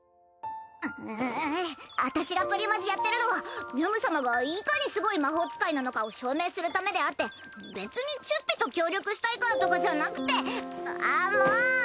うん私がプリマジやってるのはみゃむ様がいかにすごい魔法使いなのかを証明するためであって別にチュッピと協力したいからとかじゃなくってあもう！